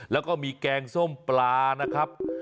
แล้วก็มีแกงส้มปลานะครับ